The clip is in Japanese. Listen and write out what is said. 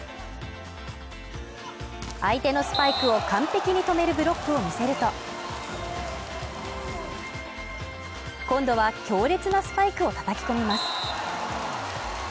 相手のスパイクを完璧に止めるブロックを見せると、今度は強烈なスパイクを叩き込みます。